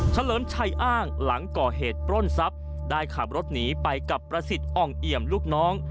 เลิมชัยอ้างหลังก่อเหตุปล้นทรัพย์ได้ขับรถหนีไปกับประสิทธิ์อ่องเอี่ยมลูกน้อง